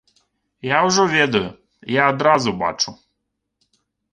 Я ўжо ведаю, я адразу бачу.